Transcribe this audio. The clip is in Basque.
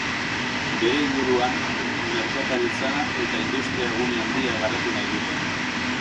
Bere inguruan merkataritza eta industria gune handia garatu nahi dute.